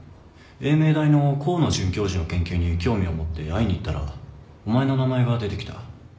英明大の河野准教授の研究に興味を持って会いに行ったらお前の名前が出てきた。